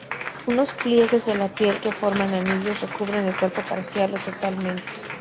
Unos pliegues de la piel que forman anillos recubren el cuerpo parcial o totalmente.